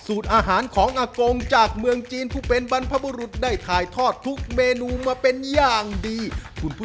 สองคนลาไปก่อนสวัสดีครับ